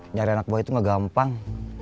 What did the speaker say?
nyari anak buah itu gak gampang